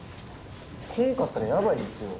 来んかったらやばいっすよ。